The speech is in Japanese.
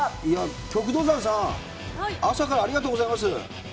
旭道山さん、朝からありがとうございます。